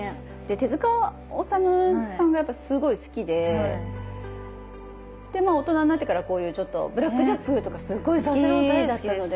手治虫さんがやっぱすごい好きで大人になってからこういうちょっと「ブラック・ジャック」とかすごい好きだったので。